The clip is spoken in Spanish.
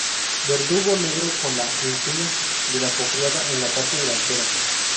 Verdugo negro con la enseña de la Cofradía en la parte delantera.